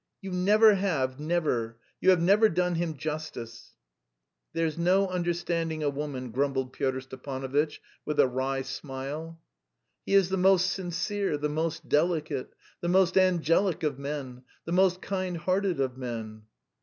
"You never have, never! You have never done him justice." "There's no understanding a woman," grumbled Pyotr Stepanovitch, with a wry smile. "He is the most sincere, the most delicate, the most angelic of men! The most kind hearted of men!"